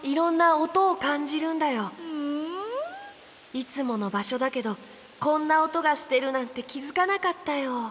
いつものばしょだけどこんなおとがしてるなんてきづかなかったよ。